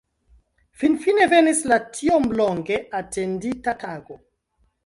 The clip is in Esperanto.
Finfine venis la tiom longe atendita tago.